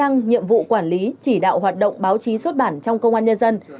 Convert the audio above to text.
nhiệm vụ quản lý chỉ đạo hoạt động báo chí xuất bản trong công an nhân dân